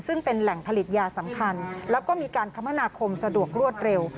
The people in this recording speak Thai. ซึ่งเป็นแหล่งผลิตยาสำคัญแล้วก็มีการคมนาคมสะดวกรวดเร็ว